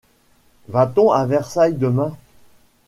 Va-t-on à Versailles demain ?